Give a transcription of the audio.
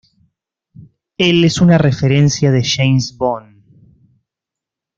El es una referencia de James Bond.